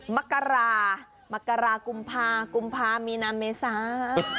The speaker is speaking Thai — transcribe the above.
มะกะลากุมภากุมภามีนาเมซา